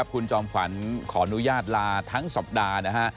คุณจอมขวัญขออนุญาตลาทั้งสัปดาห์นะฮะ